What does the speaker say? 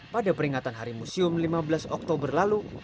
pada peringatan hari museum lima belas oktober lalu